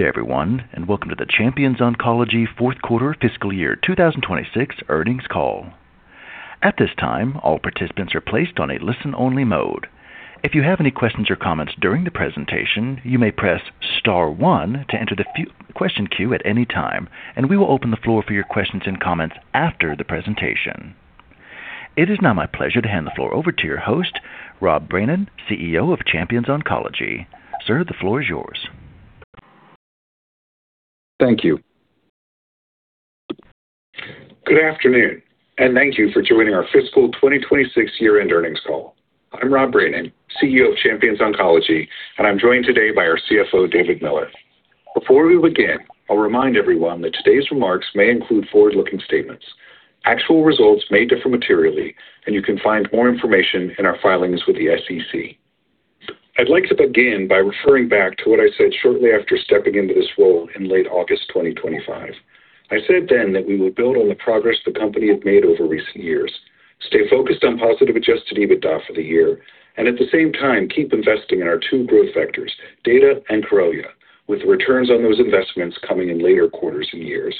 Good day everyone, welcome to the Champions Oncology fourth quarter fiscal year 2026 earnings call. At this time, all participants are placed on a listen-only mode. If you have any questions or comments during the presentation, you may press star one to enter the question queue at any time, we will open the floor for your questions and comments after the presentation. It is now my pleasure to hand the floor over to your host, Rob Brainin, CEO of Champions Oncology. Sir, the floor is yours. Thank you. Good afternoon, thank you for joining our fiscal 2026 year-end earnings call. I'm Rob Brainin, CEO of Champions Oncology, I'm joined today by our CFO, David Miller. Before we begin, I'll remind everyone that today's remarks may include forward-looking statements. Actual results may differ materially, you can find more information in our filings with the SEC. I'd like to begin by referring back to what I said shortly after stepping into this role in late August 2025. I said that we would build on the progress the company had made over recent years, stay focused on positive Adjusted EBITDA for the year, at the same time, keep investing in our two growth vectors, data and Corellia, with the returns on those investments coming in later quarters and years,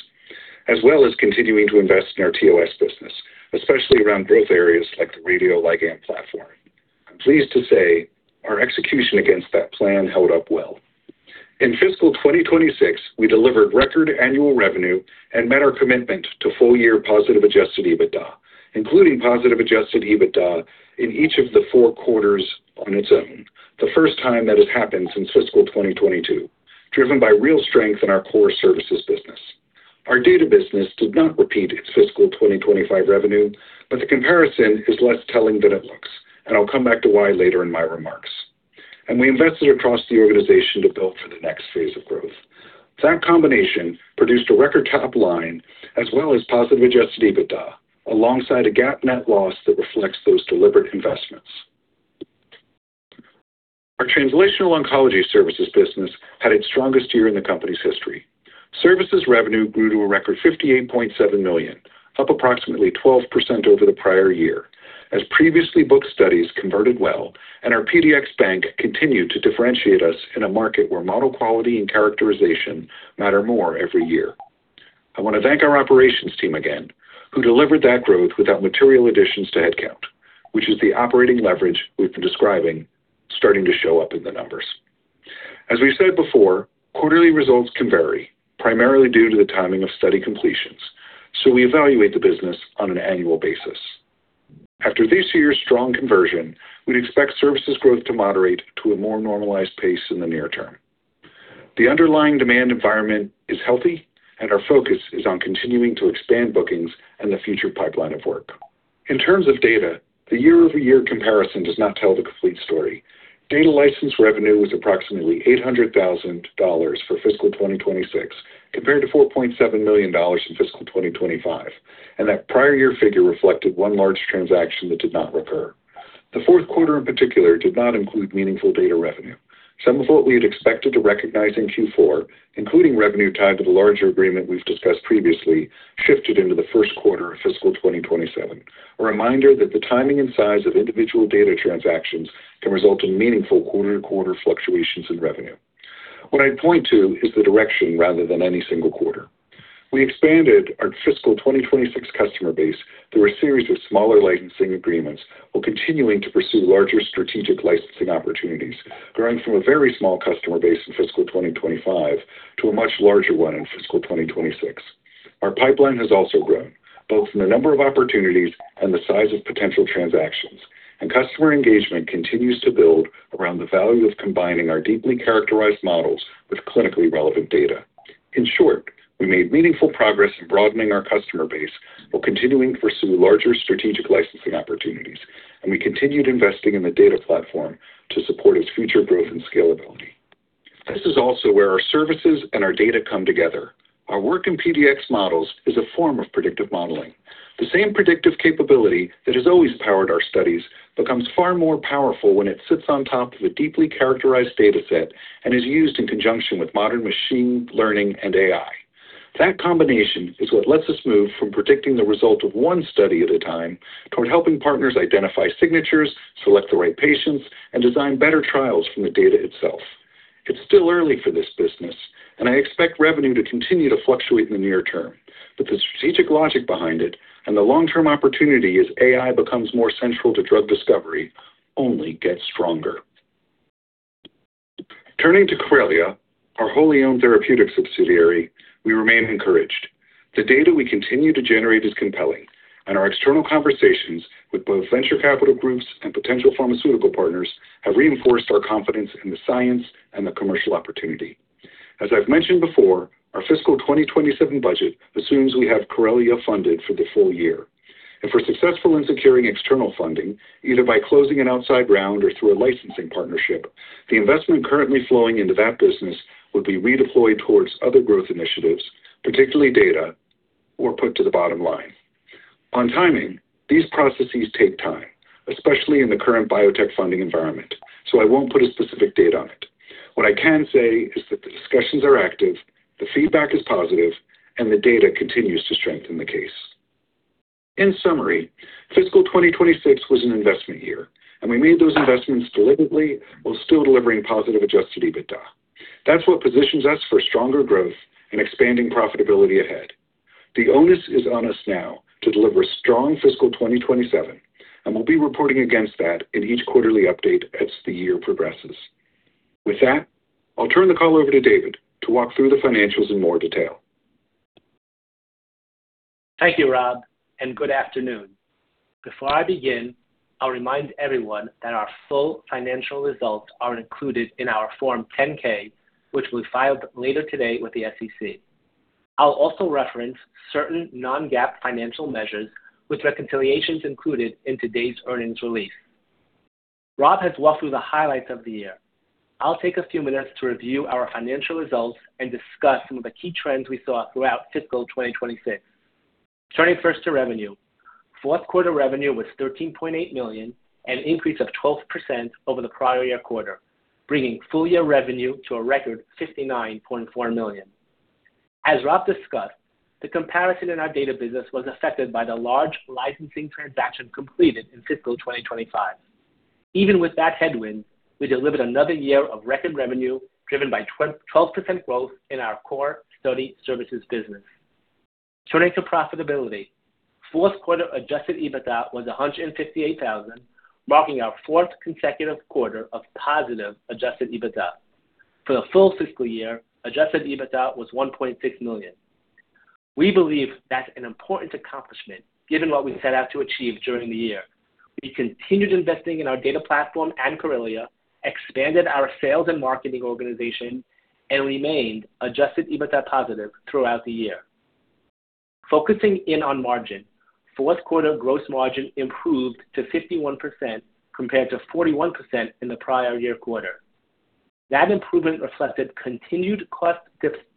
as well as continuing to invest in our TOS business, especially around growth areas like the radioligand platform. I'm pleased to say our execution against that plan held up well. In fiscal 2026, we delivered record annual revenue and met our commitment to full-year positive Adjusted EBITDA, including positive Adjusted EBITDA in each of the four quarters on its own, the first time that has happened since fiscal 2022, driven by real strength in our core services business. Our data business did not repeat its fiscal 2025 revenue, the comparison is less telling than it looks, I'll come back to why later in my remarks. We invested across the organization to build for the next phase of growth. That combination produced a record top line as well as positive Adjusted EBITDA, alongside a GAAP net loss that reflects those deliberate investments. Our Translational Oncology Solutions business had its strongest year in the company's history. Services revenue grew to a record $58.7 million, up approximately 12% over the prior year, as previously booked studies converted well and our PDX bank continued to differentiate us in a market where model quality and characterization matter more every year. I want to thank our operations team again, who delivered that growth without material additions to headcount, which is the operating leverage we've been describing starting to show up in the numbers. As we've said before, quarterly results can vary, primarily due to the timing of study completions, so we evaluate the business on an annual basis. After this year's strong conversion, we'd expect services growth to moderate to a more normalized pace in the near term. The underlying demand environment is healthy, and our focus is on continuing to expand bookings and the future pipeline of work. In terms of data, the YoY comparison does not tell the complete story. Data license revenue was approximately $800,000 for fiscal 2026, compared to $4.7 million in fiscal 2025, and that prior year figure reflected one large transaction that did not recur. The fourth quarter in particular did not include meaningful data revenue. Some of what we had expected to recognize in Q4, including revenue tied to the larger agreement we've discussed previously, shifted into the first quarter of fiscal 2027, a reminder that the timing and size of individual data transactions can result in meaningful quarter-to-quarter fluctuations in revenue. What I'd point to is the direction rather than any single quarter. We expanded our fiscal 2026 customer base through a series of smaller licensing agreements while continuing to pursue larger strategic licensing opportunities, growing from a very small customer base in fiscal 2025 to a much larger one in fiscal 2026. Our pipeline has also grown, both in the number of opportunities and the size of potential transactions, and customer engagement continues to build around the value of combining our deeply characterized models with clinically relevant data. In short, we made meaningful progress in broadening our customer base while continuing to pursue larger strategic licensing opportunities, and we continued investing in the data platform to support its future growth and scalability. This is also where our services and our data come together. Our work in PDX models is a form of predictive modeling. The same predictive capability that has always powered our studies becomes far more powerful when it sits on top of a deeply characterized data set and is used in conjunction with modern machine learning and AI. That combination is what lets us move from predicting the result of one study at a time toward helping partners identify signatures, select the right patients, and design better trials from the data itself. It's still early for this business, and I expect revenue to continue to fluctuate in the near term, but the strategic logic behind it and the long-term opportunity as AI becomes more central to drug discovery only gets stronger. Turning to Corellia, our wholly owned therapeutic subsidiary, we remain encouraged. The data we continue to generate is compelling, and our external conversations with both venture capital groups and potential pharmaceutical partners have reinforced our confidence in the science and the commercial opportunity. As I've mentioned before, our fiscal 2027 budget assumes we have Corellia funded for the full year. If we're successful in securing external funding, either by closing an outside round or through a licensing partnership, the investment currently flowing into that business would be redeployed towards other growth initiatives, particularly data, or put to the bottom line. On timing, these processes take time, especially in the current biotech funding environment, so I won't put a specific date on it. What I can say is that the discussions are active, the feedback is positive, and the data continues to strengthen the case. In summary, fiscal 2026 was an investment year, and we made those investments deliberately while still delivering positive Adjusted EBITDA. That's what positions us for stronger growth and expanding profitability ahead. The onus is on us now to deliver strong fiscal 2027, and we'll be reporting against that in each quarterly update as the year progresses. With that, I'll turn the call over to David to walk through the financials in more detail. Thank you, Rob, and good afternoon. Before I begin, I'll remind everyone that our full financial results are included in our Form 10-K, which we filed later today with the SEC. I'll also reference certain non-GAAP financial measures with reconciliations included in today's earnings release. Rob has walked through the highlights of the year. I'll take a few minutes to review our financial results and discuss some of the key trends we saw throughout fiscal 2026. Turning first to revenue. Q4 revenue was $13.8 million, an increase of 12% over the prior year quarter, bringing full-year revenue to a record $59.4 million. As Rob discussed, the comparison in our data business was affected by the large licensing transaction completed in fiscal 2025. Even with that headwind, we delivered another year of record revenue driven by 12% growth in our core Study Services business. Turning to profitability. Q4 Adjusted EBITDA was $158,000, marking our fourth consecutive quarter of positive Adjusted EBITDA. For the full fiscal year, Adjusted EBITDA was $1.6 million. We believe that's an important accomplishment given what we set out to achieve during the year. We continued investing in our data platform and Corellia, expanded our sales and marketing organization, and remained Adjusted EBITDA positive throughout the year. Focusing in on margin. Q4 gross margin improved to 51% compared to 41% in the prior year quarter. That improvement reflected continued cost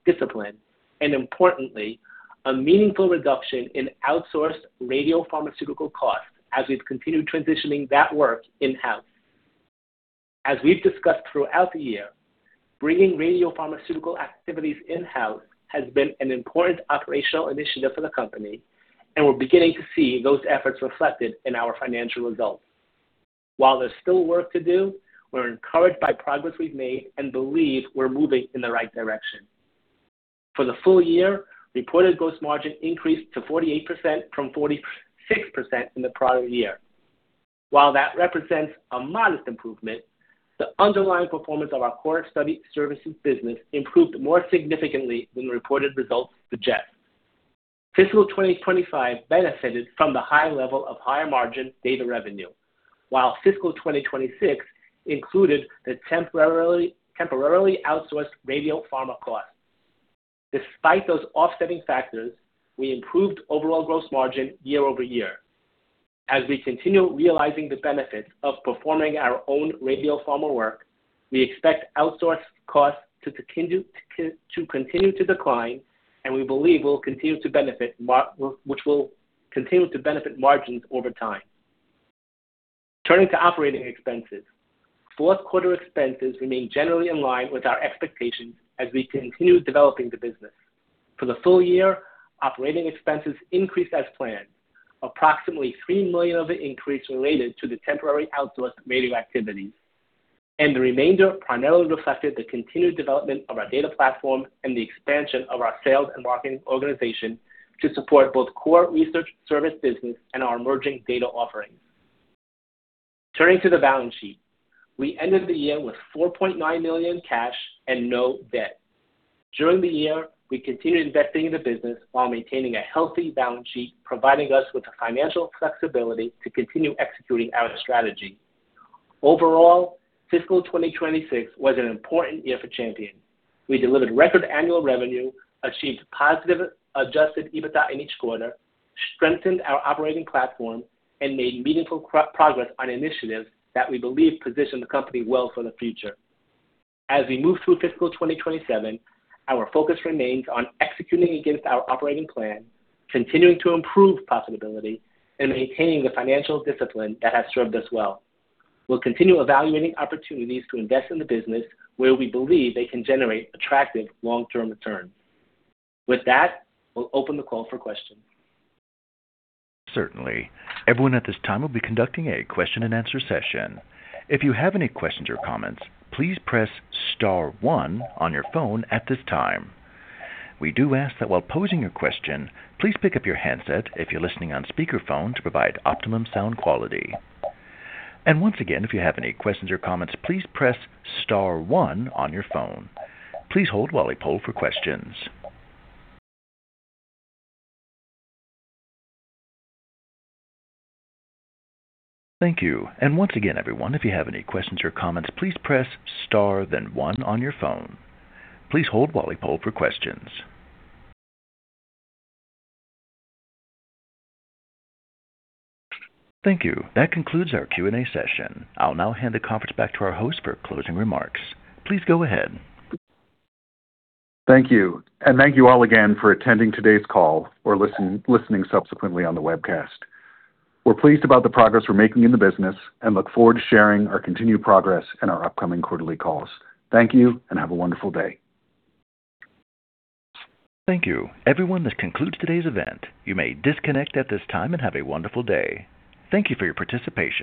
discipline and, importantly, a meaningful reduction in outsourced radiopharmaceutical costs as we've continued transitioning that work in-house. As we've discussed throughout the year, bringing radiopharmaceutical activities in-house has been an important operational initiative for the company, and we're beginning to see those efforts reflected in our financial results. While there's still work to do, we're encouraged by progress we've made and believe we're moving in the right direction. For the full year, reported gross margin increased to 48% from 46% in the prior year. While that represents a modest improvement, the underlying performance of our core Study Services business improved more significantly than the reported results suggest. Fiscal 2025 benefited from the high level of higher-margin data revenue, while fiscal 2026 included the temporarily outsourced radiopharma costs. Despite those offsetting factors, we improved overall gross margin YoY. As we continue realizing the benefits of performing our own radiopharma work, we expect outsourced costs to continue to decline, and we believe which will continue to benefit margins over time. Turning to operating expenses. Q4 expenses remain generally in line with our expectations as we continue developing the business. For the full year, operating expenses increased as planned. Approximately $3 million of the increase related to the temporary outsourced radiopharma activities and the remainder primarily reflected the continued development of our data platform and the expansion of our sales and marketing organization to support both core research service business and our emerging data offerings. Turning to the balance sheet. We ended the year with $4.9 million cash and no debt. During the year, we continued investing in the business while maintaining a healthy balance sheet, providing us with the financial flexibility to continue executing our strategy. Overall, fiscal 2026 was an important year for Champions Oncology. We delivered record annual revenue, achieved positive Adjusted EBITDA in each quarter, strengthened our operating platform, and made meaningful progress on initiatives that we believe position the company well for the future. As we move through fiscal 2027, our focus remains on executing against our operating plan, continuing to improve profitability, and maintaining the financial discipline that has served us well. We'll continue evaluating opportunities to invest in the business where we believe they can generate attractive long-term returns. With that, we'll open the call for questions. Certainly. Everyone at this time will be conducting a question and answer session. If you have any questions or comments, please press star one on your phone at this time. We do ask that while posing your question, please pick up your handset if you're listening on speakerphone to provide optimum sound quality. Once again, if you have any questions or comments, please press star one on your phone. Please hold while we poll for questions. Thank you. Once again, everyone, if you have any questions or comments, please press star, then one on your phone. Please hold while we poll for questions. Thank you. That concludes our Q&A session. I'll now hand the conference back to our host for closing remarks. Please go ahead. Thank you. Thank you all again for attending today's call or listening subsequently on the webcast. We're pleased about the progress we're making in the business and look forward to sharing our continued progress in our upcoming quarterly calls. Thank you, and have a wonderful day. Thank you. Everyone, this concludes today's event. You may disconnect at this time and have a wonderful day. Thank you for your participation.